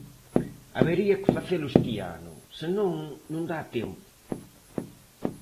Habería que facelo este ano; se non, non dá tempo.